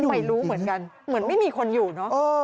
ไม่รู้เหมือนกันเหมือนไม่มีคนอยู่เนอะ